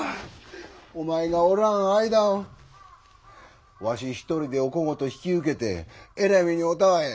お前がおらん間はわし一人でお小言を引き受けてえらい目に遭うたわい。